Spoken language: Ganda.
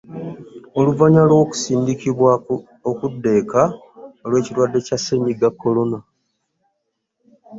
Oluvannyuma lw'okusindikibwa okudda eka olw'ekirwadde kya Ssennyiga Corona.